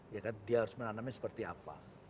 ya kan dia harus menanamnya seperti apa